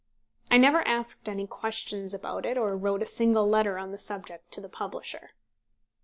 I never asked any questions about it, or wrote a single letter on the subject to the publisher.